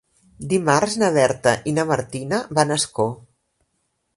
Dimarts na Berta i na Martina van a Ascó.